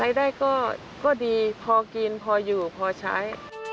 รายได้ก็ดีพอกินพออยู่พอใช้